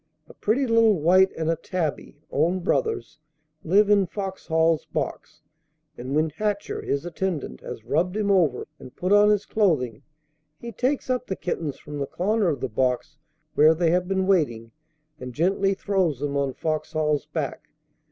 A pretty little white and a tabby, own brothers, live in Foxhall's box, and when Hatcher, his attendant, has rubbed him over, and put on his clothing, he takes up the kittens from the corner of the box where they have been waiting, and gently throws them on Foxhall's back.